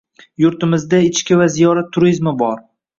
Yurtimizda ichki va ziyorat turizmi bor.